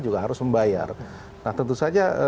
juga harus membayar nah tentu saja